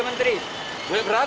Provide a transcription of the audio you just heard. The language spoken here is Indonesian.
kita enggak melarang